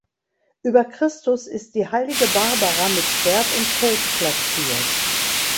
Über Christus ist die heilige Barbara mit Schwert und Kelch platziert.